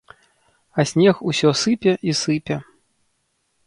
А снег усё сыпе і сыпе.